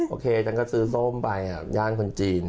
โอเคฉันก็ซื้อส้มไปย่านคนจีน